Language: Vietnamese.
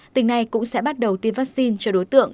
tỉnh này cũng sẽ bắt đầu tiêm vaccine cho đối tượng